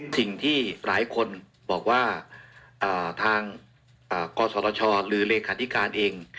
สิ่งที่หลายคนบอกว่าทางกศชหรือเลขาธิการเอง